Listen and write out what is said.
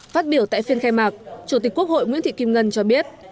phát biểu tại phiên khai mạc chủ tịch quốc hội nguyễn thị kim ngân cho biết